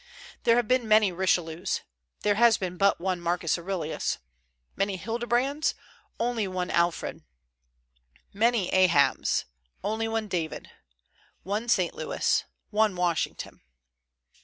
There have been many Richelieus, there has been but one Marcus Aurelius; many Hildebrands, only one Alfred; many Ahabs, only one David, one St. Louis, one Washington.